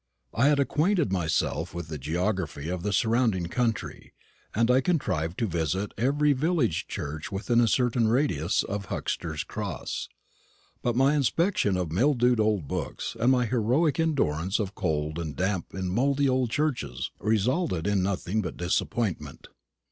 I had acquainted myself with the geography of the surrounding country; and I contrived to visit every village church within a certain radius of Huxter's Cross. But my inspection of mildewed old books, and my heroic endurance of cold and damp in mouldy old churches, resulted in nothing but disappointment.